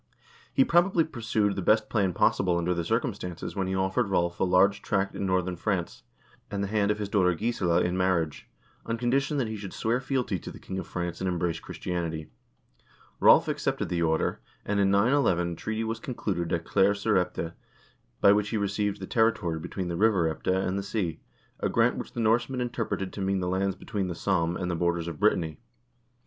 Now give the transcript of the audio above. He probably pursued the best plan possible under the circumstances when he offered Rolv a large tract in northern France, and the hand of his daughter Gisela in marriage, on condition that he should swear fealty to the king of France and embrace Christianity. Rolv accepted the offer, and in 911 a treaty was concluded at Claire sur Epte by which he received the territory between the river Epte and the sea, a grant which the Norsemen interpreted to mean the lands between the Somme and the borders of Brittany.